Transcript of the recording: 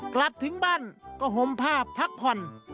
กลับถึงบ้านก็ห่มผ้าพักผ่อน